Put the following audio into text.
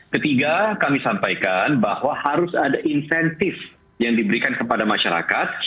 ketiga kami sampaikan bahwa harus ada insentif yang diberikan kepada masyarakat